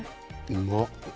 うまっ